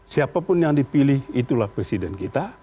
siapapun yang dipilih itulah presiden kita